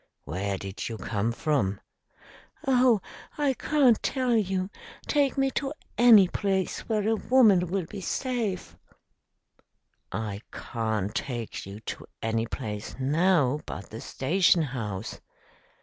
"Where did you come from?" "Oh, I can't tell you! Take me to any place where a woman will be safe." "I can't take you to any place now but the station house."